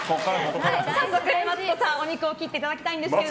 早速、マツコさん、お肉を切っていただきたいんですけど。